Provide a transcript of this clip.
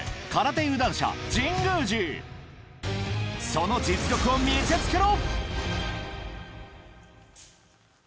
その実力を見せつけろ！